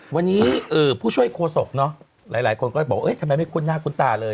วันนี้ผู้ช่วยโคศกเนอะหลายคนก็บอกทำไมไม่คุ้นหน้าคุ้นตาเลย